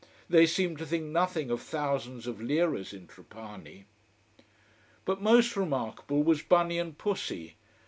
They seem to think nothing of thousands of liras, in Trapani. But most remarkable was bunny and pussy.